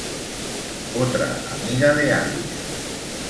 Otra amiga de Alice.